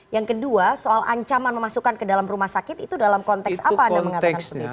yang kedua soal ancaman memasukkan ke dalam rumah sakit itu dalam konteks apa anda mengatakan seperti itu